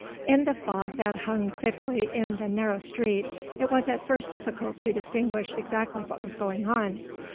In the fog that hung thickly in the narrow street it was at first difficult to distinguish exactly what was going on.